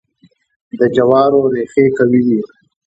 د جوارو ریښې قوي وي.